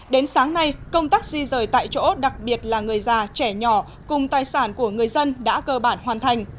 đến sáng nay công tác di rời tại chỗ đặc biệt là người già trẻ nhỏ cùng tài sản của người dân đã cơ bản hoàn thành